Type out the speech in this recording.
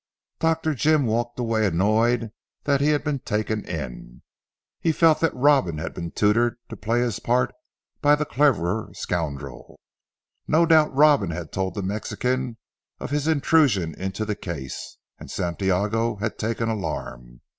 Dr. Jim walked away annoyed that he had been taken in. He felt that Robin had been tutored to play his part by the cleverer scoundrel. No doubt Robin had told the Mexican of his intrusion into the case, and Santiago had taken alarm.